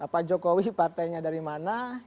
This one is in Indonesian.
pak jokowi partainya dari mana ya kan